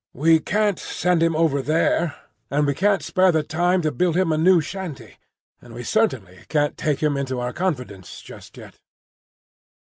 "We can't send him over there, and we can't spare the time to build him a new shanty; and we certainly can't take him into our confidence just yet."